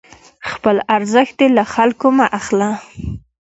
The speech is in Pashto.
خپل ارزښت دې له خلکو مه اخله،